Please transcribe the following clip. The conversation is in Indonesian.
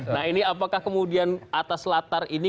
nah ini apakah kemudian atas latar ini